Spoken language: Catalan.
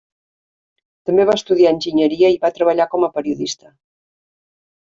També va estudiar enginyeria i va treballar com a periodista.